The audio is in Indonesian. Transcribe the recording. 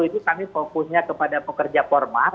itu kami fokusnya kepada pekerja formal